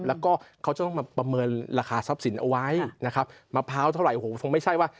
แล้วก็เขาจะต้องมาประเมินราคาทรัพย์สินเอาไว้นะครับมะพร้าวเท่าไหร่โอ้โหคงไม่ใช่ว่า